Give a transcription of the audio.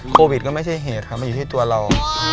โควิดก็ไม่ใช่เหตุครับมันอยู่ที่ตัวเรา